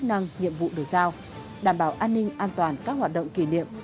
an toàn các hoạt động kỷ niệm